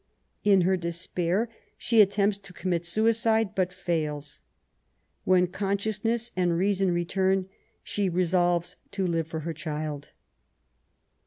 In her despair she attempts to commit suicide, but fails. When consciousness and reason return, she resolves to live for her child.